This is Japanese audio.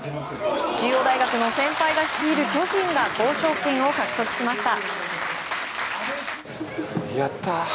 中央大学の先輩が率いる巨人が交渉権を獲得しました。